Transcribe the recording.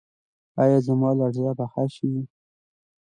ایا زما لرزه به ښه شي؟